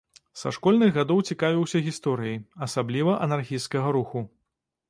Са школьных гадоў цікавіўся гісторыяй, асабліва анархісцкага руху.